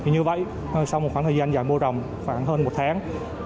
như vậy sau một khoảng thời gian dài mua rồng khoảng hơn một tháng